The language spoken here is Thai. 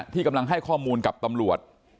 ที่กำลังให้ข้อมูลกับตำรวจ